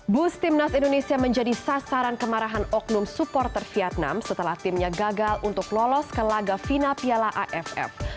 bus timnas indonesia menjadi sasaran kemarahan oknum supporter vietnam setelah timnya gagal untuk lolos ke laga final piala aff